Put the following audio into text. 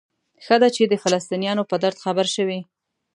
ښه ده چې د فلسطینیانو په درد خبر شوئ.